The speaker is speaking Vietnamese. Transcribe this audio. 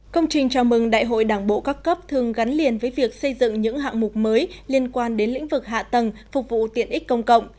công trình chào mừng đại hội đảng bộ các cấp thường gắn liền với việc xây dựng những hạng mục mới liên quan đến lĩnh vực hạ tầng phục vụ tiện ích công cộng